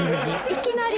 いきなり。